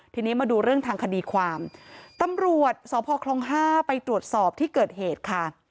ทีนี้มาดูเรื่องทางคดีความตำรวจสพคล๕ไปตรวจสอบที่เกิดเหตุค่ะ